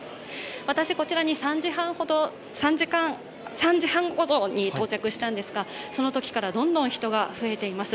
私、こちらに３時半ごろに到着したんですが、そのときからどんどん人が増えています。